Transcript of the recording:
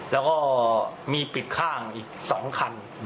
แล้วก็มีปิดข้างอีก๒คัน